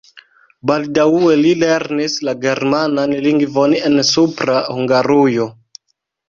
Baldaŭe li lernis la germanan lingvon en Supra Hungarujo.